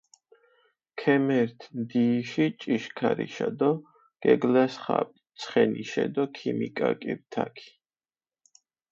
ქემერთჷ ნდიიში ჭიშქარიშა დო გეგლასხაპჷ ცხენიშე დო ქიმიკაკირჷ თაქი.